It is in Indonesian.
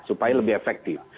supaya lebih efektif